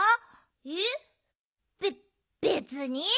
えっべっべつに。